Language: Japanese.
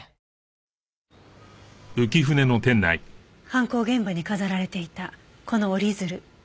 犯行現場に飾られていたこの折り鶴。